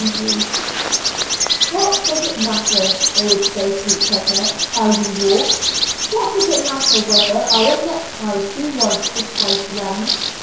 "What does it matter," they would say to each other, "how we walk? What does it matter whether our neck ties be once or twice round?